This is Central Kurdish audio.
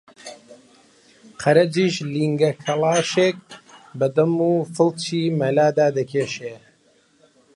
فەرەجیش لینگە کەڵاشێک بە دەم و فڵچی مەلادا دەکێشێ